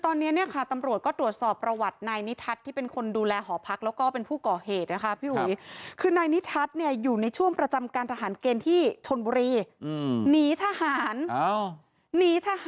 ตอนนี้ต่อตรวจสอบประวัตินายนิทัศน์ที่เป็นคนดูแลหอพักและก็เป็นผู้ก่อเหตุคือในนิทัศน์อยู่ในช่วงประจำการทหารเกรนที่ชนบุหรี่